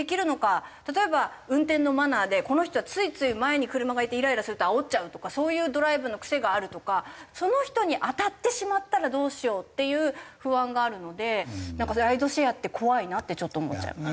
例えば運転のマナーでこの人はついつい前に車がいてイライラするとあおっちゃうとかそういうドライブの癖があるとかその人に当たってしまったらどうしようっていう不安があるのでライドシェアって怖いなってちょっと思っちゃいます。